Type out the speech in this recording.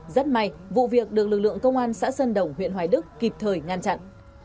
rất may vụ việc được lực lượng công an xã sơn đồng huyện hoài đức kịp thời ngăn chặn